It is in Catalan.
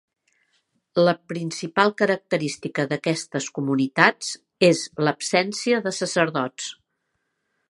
La principal característica d'aquestes comunitats és l'absència de sacerdots.